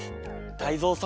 タイゾウさん